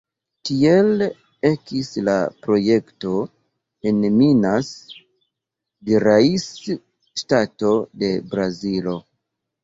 Tiel ekis la projekto en Minas Gerais, ŝtato de Brazilo.